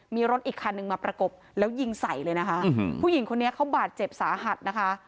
มีรถอีกคันหนึ่งมาประกบแล้วยิงใส่เลยนะคะผู้หญิงคนนี้เขาบาดเจ็บสาหัสนะคะ